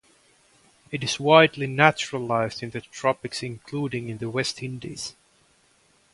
It is widely naturalized in the tropics including in the West Indies.